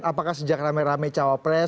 apakah sejak rame rame cawapres